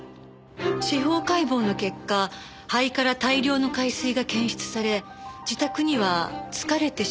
司法解剖の結果肺から大量の海水が検出され自宅には「疲れてしまった。